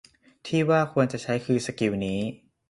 ที่ว่าควรจะใช้ คือสกิลนี้